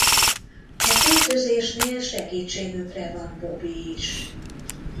A költözésnél segítségükre van Bobby is.